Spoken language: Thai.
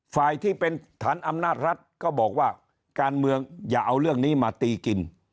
ฝ่ายที่เป็นฐานอำนาจรัฐก็บอกว่าการเมืองอย่าเอาเรื่องนี้มาตีกิน